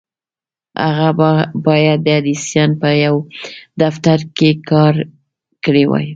هغه بايد د ايډېسن په يوه دفتر کې کار کړی وای.